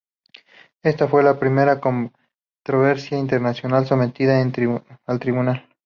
Esta fue la primera controversia internacional sometida al Tribunal.